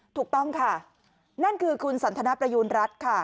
ถูกต้องค่ะนั่นคือคุณสันทนประยูณรัฐค่ะ